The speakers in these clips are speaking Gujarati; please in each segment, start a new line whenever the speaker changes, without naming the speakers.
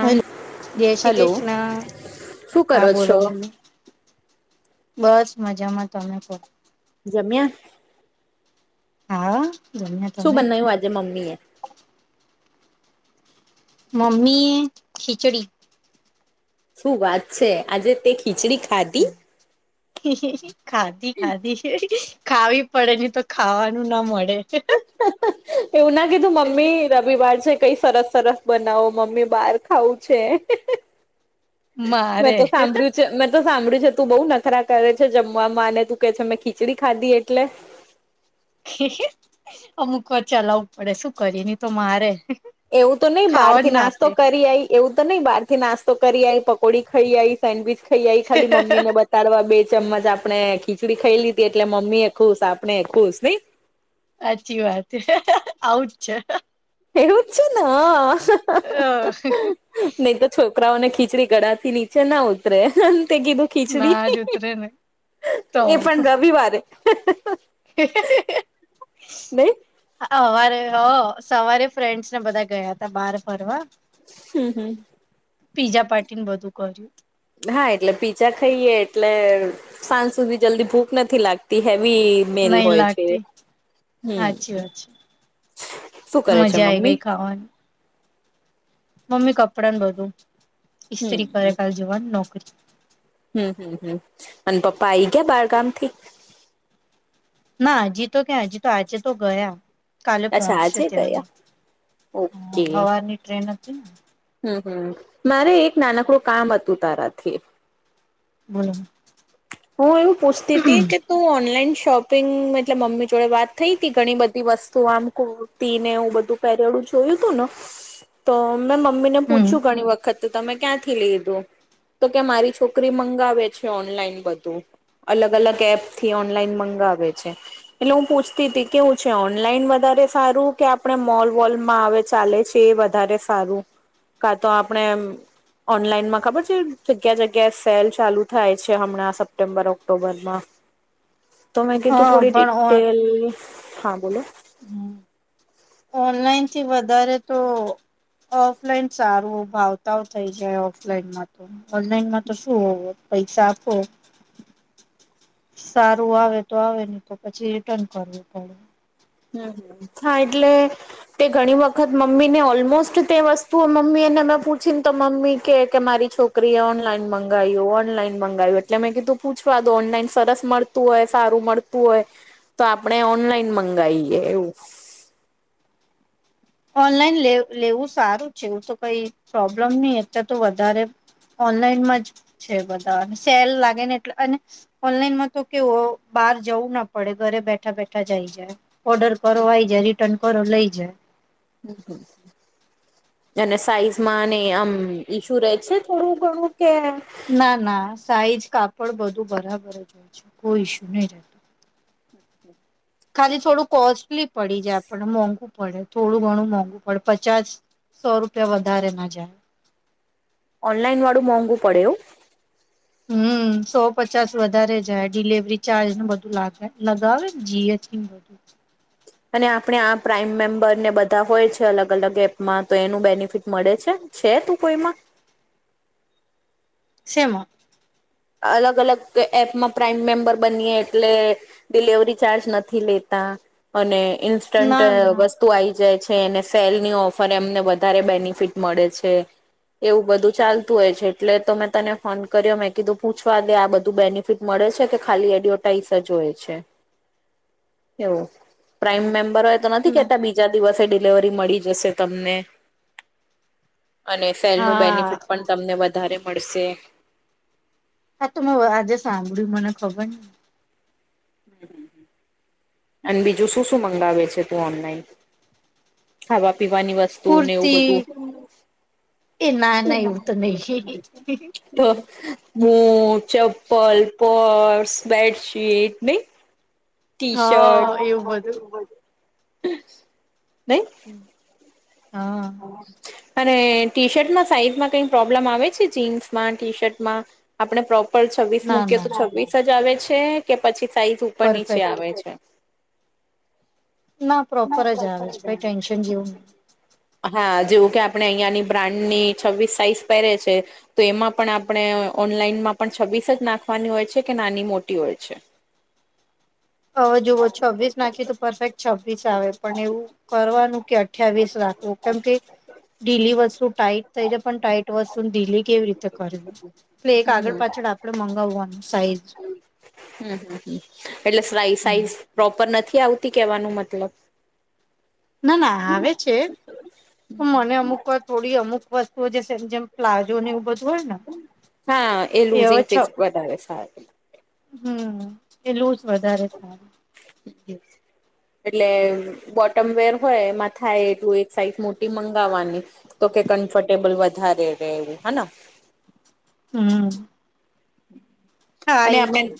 હલો જય શ્રી
હલો
કૃષ્ણ
શું કરો
હા બોલો
છો
બોલો. બસ મજામાં તમે કો.
જમ્યા?
હા. જમ્યા
શું
તમે
બનાવ્યું આજે મમ્મી એ?
મમીએ ખીચડી.
શું વાત છે આજે તે ખીચડી ખાધી.
ખીચડી ખાધી ખાધી ખાવી પડે નહ તો ખાવાનું ના મળે.
એવું ના કીધું મમ્મી ર રવિવાર છે કઈ સરસ સરસ બનાવો મમ્મી બહાર ખાવું છે. મેં
મારે
તો સાંભળ્યું છે નથ તો સાંભળ્યું છે તું બહુ નખરા કરે છે જમવા માને તું કે છે મેં ખીચડી ખાધી એટલે
અમુક વાર ચલાવું પડે શું કરીએ ની તો મારે.
એવું તો નહી બહાર
ખાવા
થી
જ ના આપે
નાસ્તો કરી આઈ એવું તો નઈ બહારથી નાસ્તો કરી આઈ પકોડી ખઈ આઈ. સેન્ડવીચ ખાઈ આવી ખાલી મમ્મીને બત તારવા બે ચમચ આપણે ખીચડી ખાઈલીીધી એટલે મમ્મી એ ખુશ આપણે ખુશ નઈ
હાચી વાત આવુંજ છે.
એ ર છે ના નહી તો છોકરાઓને ખીચડી ગળાથી નીચે ના ઉતરે તે કીધું ખીચડી
ના જ ઉતરેને. તો
એ પણ રવિવારે નહી
અવારે હ સવારે ફ્રેન્ડ્સ ને બધા ગયા હતા બાર ફરવા
હમ્મ હમ્મ.
પીજા પાર્ટી ને બધું કર્યું તુ.
હા એટલે પીજા ખઇએ એટલે સાંજ સુધી જલ્દી ભૂખ નથી લાગતી હેવી મેલ
નહી
હોય છે.
લાગતી
હમ્મ
સાચી વાત છે.
શું કરે છે
મજા આઈ ગઈ
મમ્મી.
ખાવાની મમ્મી કપડા ને બધું
હમ
ઈસ્ત્રી કરે ક જવા નોકરી
હમ હમ હમ અને પપ્પા આઈ ગયા બાારગામ થી
ના હજી તો ક્યા હજી તો આજે તો ગયા. કાલે
અચ્છા
પહોંચશે
આજે ગયા
ત્યાંગાળ
ઓકે
હવારની ટ્રેન હતી ને
હમ હમ મારે એક નાનકડું કામ હતું તારાથી
હમ
હું એવું પૂછતી હતી કે તું ઓનલાઈન શોપિંગ મતલબ મમ્મી જોડે વાત થઈ કે ઘણી બધી વસ્તુ આમ ટી ને એવું બધું પહેરેલૂ જોયું તું ને તો મેં મમ્મી ને
હમ
પૂછ્યું ઘણી વખત તો તમે ક્યાંથી લીધો તો કે મારી છોકરી મંગાવે છે ઓનલાઈન બધું. તો અલગ અલગ એપ થી ઓનલાઈન મંગાવે છે. એટલે હું પૂછતી હતી કેવું છે ઓનલાઈન વધારે સારું કે આપણે મોલ વોલમાં આવે ચાલે છે એ વધારે તારે સારું કા તો આપણે એમ ઓનલાઈનમાં ખબર છે જગ્યા જગ્યા સેલ ચાલુ થાય છે હમણાં સપ સપ્ટેમ્બર, ઓક્ટોબરમાં તો મેં કીધું
હા
થોડી
પણ
ડિટેલ હા બોલો.
ઓનલાઈન થી વધારે તો ઓફલાઈન સારું ભાવતાઓ થઈ જાય ઓફલાઈનમાં તો ઓનલાઈન માં તો શું હોવો પૈસા આપો સારું આવે તો આવે ને તો પછી રિટર્ન કરવું પડે.
હમ્મ હા એટલે. તે ઘણી વખત મમ્મીને ઓલમોસ્ટ તે વસ્તુ મમ્મી એને મેં પૂછી ને તો મમ્મી કે કે મારી છોકરી ક્રી ઓનલાઈન મંગાવ્યું ઓનલાઈન મંગાવ્યું એટલે મેં કીધું પૂછવા દો ઓનલાઈન સરસ મળતું હોય સારું મળતું હોય તો આપણે ઓનલાઈન મંગાવીએ એવું.
ઓનલાઈન લે લેવું સારું છે એવું તો કઈ પ્રોબ્લેમ નહી અયારે તો વધારે ઓનલાઈનમાં જ છે બધા સેલ લાગે ને એટલે અને ઓનલાઈનમાં તો કેવુ બહાર જવું ના પડે ઘરે બેઠા બેઠા જ આવી જાય. ઓર્ડર કરો આયી જાય, રિટર્ન કરો લઈ જાય.
હમમ હમમ. અને સાઈઝ માં ને આમ ઈશુ રહેે છે થોડું ઘણું કે
ના ના સાઈઝ કાપડ બધું બરાબર જ હોય છે કોઈ ઇશ્યુ નય રહેતો. ખાલી થોડું કોસ્ટલી પડી જાય આપણ ને મોંઘુ પડે થોડું ઘણું મોંઘું પડે. પચાસ સો રૂપિયા વધારે ના જાય.
ઓનલાઈન વાળું મોંઘું પડે હો. [inaudible]
હમ સો પચાસ વધારે જાય ડિલવરી ચાર્જ ને બધું લાગે લગાવે ને ડી એચ બધું જ
અને આપણે આ પ્રાઈમ મેમ્બર ને બધા હોય છે અલગ અલગ એપમાં તો એનું બેનિફિટ મળે છે. છે તું કોઈમાં?
સેમાં?
અલગ અલગ એપમાં પ્રાઈમ મેમ્બર બનીએ એટલે ડિલવરી ચાર્જ નથી લેતા અને ઇન્સ્ટન્ટ
ના
વસ્તુ
ના
વસ્તું આયી જાય છે અને સેલની ઓફર એમને વધારે બેનિફિટ મળે છે. એવું બધું ચાલતું હોય છે એટલે તો મેં તને ફોન કર્યો. મેં કીધું પૂછવા દે આ બધું બેનિફિટ મળે છે કે ખાલી એડવર્ટાઈઝ જ હોય છે. એવું પ્રાઇમ મેમ્બર હોય તો નથી
ના
કેતા બીજા દિવસે ડિલવરી મળી જશે તમને અને સેલ નું
હા
બેનિફિટ પણ તમને વધારે મળશે.
આ તો મે આજે સાંભળ્યું મને ખબર નય.
હમમ હમમ હમમ. અને બીજું શું શું મંગાવે છે તું ઓનલાઈન? ખાવા પીવાની વસ્તુ ને એવું
કુર્તી
બધું
એ ના ના એવું તો નહી
[unintelligible] બૂટ, ચપલ, પર્સ, બેડશીટ નય. ટી શર્ટ
હા એવું બધું
નય
હમમ હા.
અને ટી શર્ટમાં સાઈઝમાં કઈ પ્રોબ્લમ આવે છે જીન્સમાં, ટી શર્ટમાં. આપણે પ્રોપર છવ્વીસ
ના
મૂકીએ
ના
તો છવ્વીસ જ આવે છે કે પછી સાઈઝ ઉપર નીચે
પરફેક્ટ
આવે છે.
પ્રોપર
ના
જ આવે છે કઈ ટેન્શન જેવું નહી
[unintelligible] હા જેવું કે આપણે અહિયાંની બ્રાન્ડ ની છવ્વીસ સાઈઝ પહેરે છે. તો એમાં પણ આપણે ઓનલાઈનમાં પણ છવ્વીસ જ નાખવાની હોય છે કે નાની મોટી હોય છે.
હવે જુઓ છવ્વીસ નાખીએ તો પરફેક્ટ છવ્વીસ આવે પણ એવું કરવાનું. કે અઠ્યાવીસ રાખવું કેમ કે ઢીલી વસ્તુ. ટાઈટ થઈ જાય પણ ટાઈટ વસ્તુ ઢીલી કેવી રીતે કરવી પલે એક
હમ
આગળ પાછળ. આપડે મગવાનું સાઈઝ
હમમ હમમ એટલે સા સાઈઝ પ્રોપર નથી આવતી કેવાનું મતલબ
ના ના આવે છે. તો મને અમુક વાર થોડી અમુક વસ્તુઓ સેમ જેમ પ્લાઝો ને એવ બધું હોય ને
હા એ લુઝિંગ ફીઝ વધારે સારુ.
હમમ એ લુંઝ વધારે સારું.
[unintelligible] એટલે બોટમ વેર હોય એમાં થાય એટલું એક સાઈઝ મોટી મંગાવાની. તો કે કમ્ફર્ટેબલ વધારે રહેવું હેને.
હમ. હા
અને
એ
આપને.
છે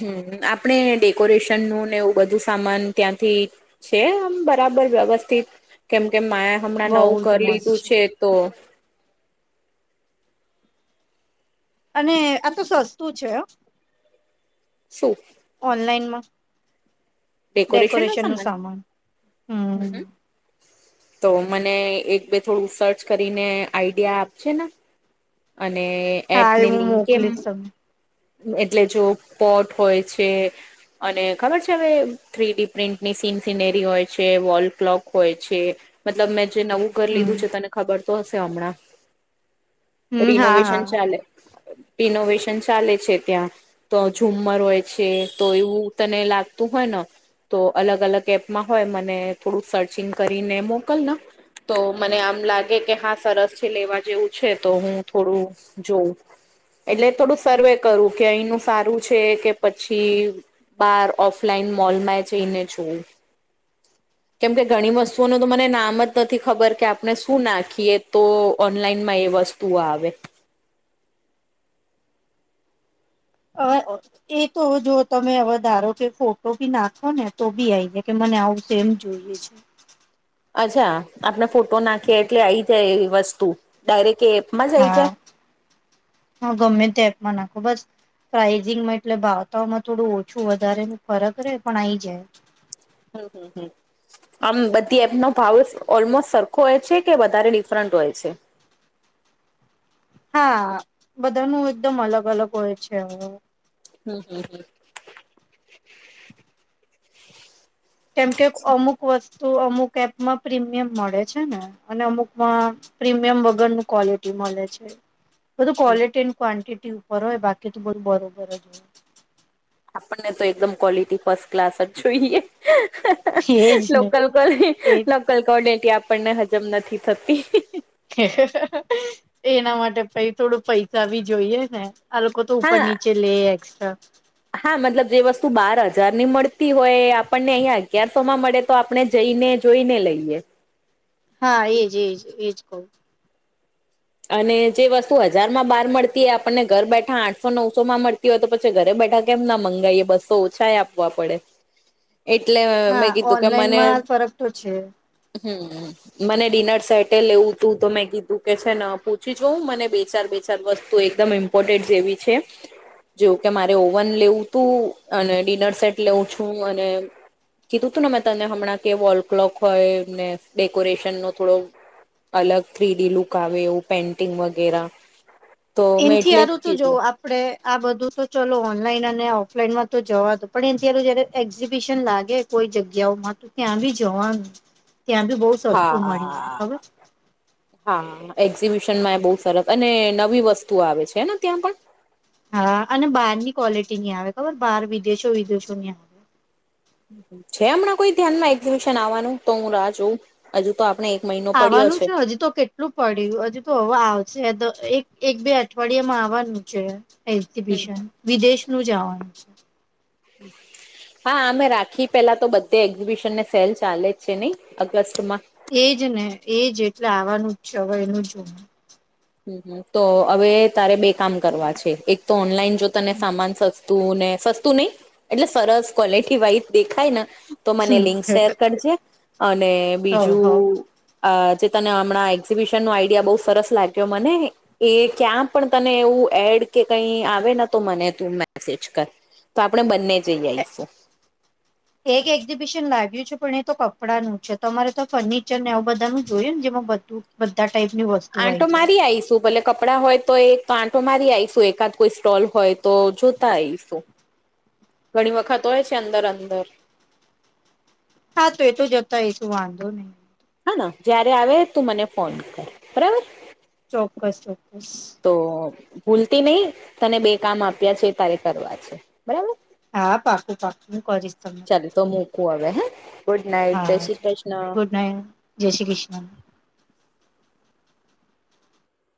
હમ આપણે ડેકોરેશન નું ને એવું બધું સામાન ત્યાંથી છે આમ બરાબર વ્યવસ્થિત કેમ કે મા હમણાં નવું
બહુ જ
ઘર
મસ્ત
લીધું છે તો.
અને આ તો સસ્તું છે હો.
શું.
ઓનલાઈન માં‌.
ડેકોરેશન નુ સામાન
હમ
હ. તો મને એક બે થોડું સર્ચ કરીને આઈડિયા આપજે ને. અને
હા એ
એપને
હું
લિંક કેમ.
મોકલીશ તમને
એટલે જો પોટ હોય છે અને ખબર છે હવે. થ્રી ડી પ્રિન્ટની સીન સિનેરી હોય છે વોલ ક્લોક હોય છે. મતલબ મેં જે નવું ઘર લીધું
હમ
છે તને ખબર તો હશે હમણાં
હમ હા
રિનોવેશન
હા
ચાલે રિનોવેશન. ચાલે છે ત્યાં તો ઝુમમર હોય છે તો એવું તને લાગતું હોય ન. તો અલગ અલગ એપમાં હોય મને થોડું સર્ચિંગ કરીને મોકલ ના. તો મને આમ લાગે કે હા સરસ છે લેવા જેવું છે તો હું થોડું. જોવું એટલે થોડું સર્વે કરું કે અહીનું સારું છે કે પછી બાર ઓફલાઈન મોલમાં જઈને જોવું. કેમ કે ઘણી વસ્તુઓનું તો મને નામ જ નથી ખબર કે આપણે શું નાખીએ તો ઓનલાઈન માં એ વસ તું આવે.
[unintelligible] એ તો જો તમે હવે ધારો કે ફોટો ભી નાખો ને તો બી આઈ જાય કે મને આવું. તેમ જોઈએ છે.
અચ્છા આપણે ફોટો નાખીએ એટલે આઇ જાય એવી વસ્તુ ડાયરેક્ટ એપ.
હા હ ગમે તે એપ માં નાખો બસ. પ્રાઇઝિંગમાં એટલે ભાવતાઓમાં થોડું ઓછું વધારે નુ ફરક રહેે પણ આઈ જાય.
હમ હમ હમ. આમ બધી એપનો ભાવ ઓલમોસ્ટ સરખો હોય છે કે વધારે ડિફરન્ટ હોય છે.
હા બધાનું એકદમ અલગ અલગ હોય છે.
હમ હમ હમ.
કેમ કે અમુક વસ્તુ અમુક એપમાં પ્રીમિયમ મળે છે ને અને અમુકમાં પ્રીમિયમ વગરનું ક્વોલિટી મળે છે. બધું ક્વોલિટી એડ ક્વન્ટિટી ઉપર હોય બાકી તો બધું બરોબર જ હોય.
આપણને તો એકદમ ક્વોલિટી ફસ્ટ ક્લાસ જ જોઈએ.
હોય એજ ને
લોકલ કોલિ
એજ
લોકલ કોલિટી આપણને હજમ નથી થતી.
એના માટે પ થોડો પૈસા ભી જોઈએ ને આ લોકો તો ઉપર
હા
નીચે. લે એક્સ્ટ્રા.
હા મતલબ જે વસ્તુ બાર હજાર ની મળતી હોય આપણને અહિયા અગિયારસો માં મળે. તો આપણે જઈને જોઈને લઈએ,
હા એજ એજ એજ કવ
અને જે વસ્તુ હજારમાં બાર મળતી આપણને ઘર બેઠા આઠસો નવસો માં મળ. હોય તો પછી ઘરે બેઠા કેમ ના મંગાવાઈએ બસો ઓછા આપવા પડે. એટલે
હા
મેં કીધું કે મને.
ઓનલાઈનમાં ફરક તો છે
હમ મને ડિનર સેટે લેવું તું તો મેં કીધું કે છે ને. પૂછી જો મને બે ચાર બે ચાર વસ્તુ એકદમ ઇમ્પોર્ટન્ટ જેવી છે. જેવું કે મારે ઓવન લેવું તું અને ડિનર સેટ લેઉું છું અને કીધું તું ને મેં તને હમણાં કે વોલ ક્લોક હોયને ડેકોરેશન નો થોડો અલગ થ્રીડી લુક આવે એવું પેન્ટિંગ વગેરા તો મેં એટલે જ કીધું.
આપણે આ બધું તો ચાલો ઓનલાઈન અને ઓફલાઈન માં તો જવા દો પણ એ તલું જયારે એક્ઝિબિશન લાગે કોઈ જગ્યાઓ માં તું ત્યાં બી જવાનું
[inaudible]
ત્યાં ભી બોવ સસ્તું મળી જાય
હા
ખબર
હા એક્ઝિબિશન માં એ બહુ સરસ અને નવી વસ્તુ આવે છેને ત્યાં પણ
હા અને બહાર ની ક્વોલિટી ની આવે ખબર બહાર વિદેશો વિદેશો ની આવે
છે હમણાં કોઈ ધ્યાન માં એક્ઝિબિશન આવવાનું તો હું રાહ જોઉં હજુ તો આપણે એક મહિનો પડ્યો છે.
હજુ તો કેટલી એટલું પડ્યું હજુ તો હવે આવશે એક એક બે અઠવાડિયામાં આવવાનું છે.
હમ
એક્ઝિબિશન વિદેશનું જ આવાનું છે.
[inaudible] હા આમેય રાખી પેલા તો બધે એક્ઝિબિશન ને સેલ ચાલે જ છે નહી અગસ્ટમાં
એજ ને એજ એટલે આવાનું જ છે હવે એનું જો
હમ તો હવે તારે બે કામ કરવા છે એક તો ઓનલાઈન જો તને સામાન સસ્તું ને સસ્તું નહીં એટલે સરસ ક્વોલિટી વાઈઝ દેખાય ને તો મને
હમ
લિંક શેર
હ
કરજે અને
હ
બીજું અ જે તને હમણાં એક્ઝિબિશન નો આઈડિયા બહુ સરસ લાગ્યો મને એ ક્યાં પણ તને એવું એડ કે કઈ આવેને તો મને તું મેસેજ કર તો આપણે બંને જઈ આવીશું.
એક એક્ઝિબિશન લાગ્યું છે પણ એ તો કપડાંનું છે તમારે તો ફર્નિચર ને બધા નું જોયએ ને જેમાં બધું બધા ટાઈપનું વસ્તુ આવી
આંટો
જાય
મારી આવીશું ભલે કપડાં હોય તો એ આટો મારી આવીશું એકાદ કોઈ સ્ટોલ હોય તો જોતા આવીશું. ઘણી વખત હોય છે અંદર અંદર
હા તો એ તો જતા એ તો વાંધો નહી
હ ને જયારે આવે તું મને ફોન કર બરાબર
ચોક્કસ ચોક્કસ
તો ભૂલતી નહિ તને બે કામ આપ્યા છે તારે કરવા છે બરાબર
હા પાકું પાકું હું કરીશ તમને કોલ
મુકું હવે ગુડ નાઈટ જય
હા
શ્રી કૃષ્ણ
ગુડ નાઈટ જય શ્રી કૃષ્ણ ના